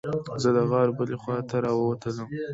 زه د غار بلې خوا ته راووتلم.